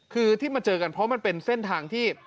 คือที่มาเจอกันเพราะมันเป็นเส้นทางที่